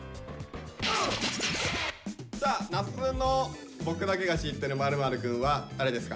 さあ那須くんの「僕だけが知ってる○○くん」は誰ですか？